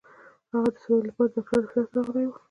هغه د څه ويلو لپاره د ډاکټر دفتر ته راغلې وه.